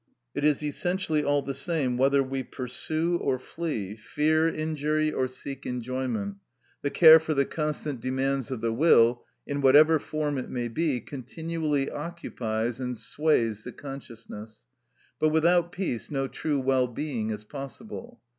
It is essentially all the same whether we pursue or flee, fear injury or seek enjoyment; the care for the constant demands of the will, in whatever form it may be, continually occupies and sways the consciousness; but without peace no true well being is possible.